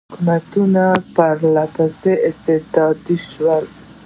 حکومتونه یې لا پسې استبدادي شول.